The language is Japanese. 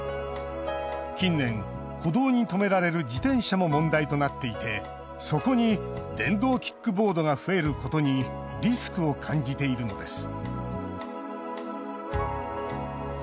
近年歩道に止められる自転車も問題となっていてそこに電動キックボードが増えることにリスクを感じているのです。